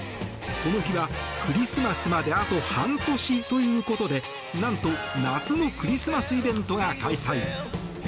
この日はクリスマスまであと半年ということでなんと夏のクリスマスイベントが開催。